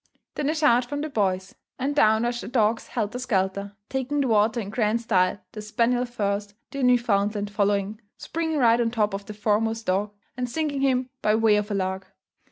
Then a shout from the boys; and down rushed the dogs helter skelter, taking the water in grand style, the spaniel first, the Newfoundland following, springing right on top of the foremost dog, and sinking him by way of a lark.